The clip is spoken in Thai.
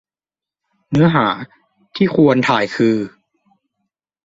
เนื้อหาที่ควรถ่ายคือ